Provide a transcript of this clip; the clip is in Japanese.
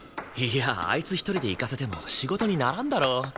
いやあいつ一人で行かせても仕事にならんだろ。